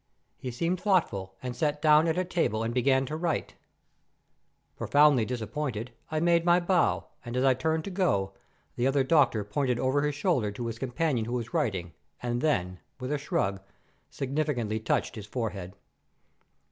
"He seemed thoughtful, and sat down at a table and began to write. Profoundly disappointed, I made my bow, and as I turned to go, the other doctor pointed over his shoulder to his companion who was writing, and then, with a shrug, significantly touched his forehead.